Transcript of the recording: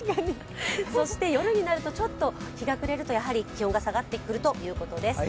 そして夜になるとちょっと日が暮れると気温が下がってくるということのようです。